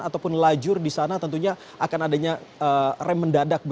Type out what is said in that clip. ataupun lajur di sana tentunya akan adanya rem mendadak